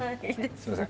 すいません